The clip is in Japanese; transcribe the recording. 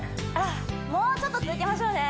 もうちょっと続けましょうね